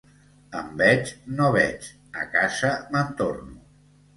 Enveig no veig, a casa me'n torno.